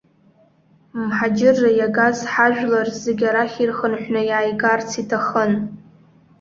Мҳаџьырра иагаз ҳажәлар зегьы арахь ирхынҳәны иааигарц иҭахын.